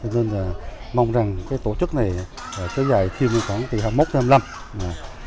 nên mong rằng tổ chức này sẽ dài khoảng từ hai mươi một đến hai mươi năm